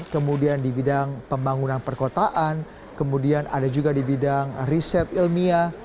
kemudian di bidang pembangunan perkotaan kemudian ada juga di bidang riset ilmiah